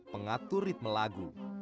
pengatur ritme lagu